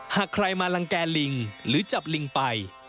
หากใครมาลังแก่ลิงหรือจับลิงไป